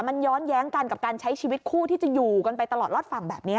มันย้อนแย้งกันกับการใช้ชีวิตคู่ที่จะอยู่กันไปตลอดรอดฝั่งแบบนี้